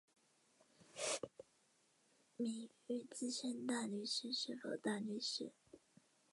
名誉资深大律师是否大律师？